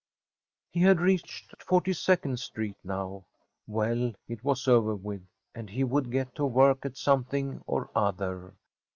He had reached Forty second Street now. Well, it was over with, and he would get to work at something or other.